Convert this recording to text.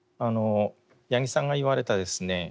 八木さんが言われたですね